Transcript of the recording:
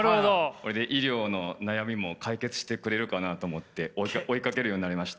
それで医療の悩みも解決してくれるかなと思って追いかけるようになりました。